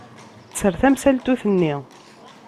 Tter tamsaltut-nni.